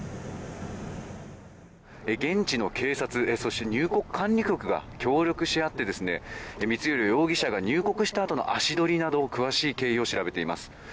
現地の警察、入国管理局が協力し合って光弘容疑者が入国したあとの足取りなど詳しい経緯を調べています。